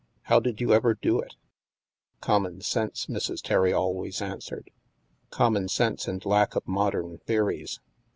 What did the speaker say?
" How did you ever do it ?"Common sense," Mrs. Terry always answered. " Common sense and lack of modern theories."